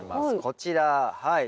こちらはい。